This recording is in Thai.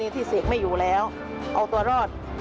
มีชีวิตที่สุดในประโยชน์